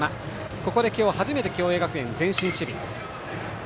ここで今日初めて共栄学園は前進守備。